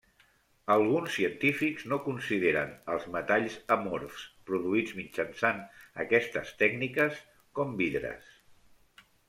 Alguns científics no consideren als metalls amorfs produïts mitjançant aquestes tècniques com vidres.